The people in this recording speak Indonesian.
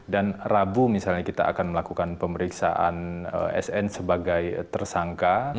dan rabu misalnya kita akan melakukan pemeriksaan sn sebagai tersangka